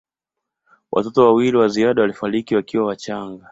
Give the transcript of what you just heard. Watoto wawili wa ziada walifariki wakiwa wachanga.